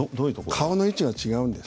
顔の位置が違うんです。